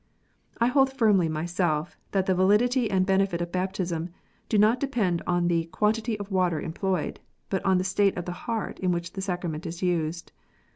I hold firmly, myself, that the validity and benefit of baptism do not depend on the quantity of water employed, but on the state of heart in which the sacrament is used.